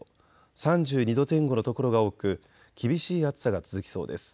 ３２度前後の所が多く厳しい暑さが続きそうです。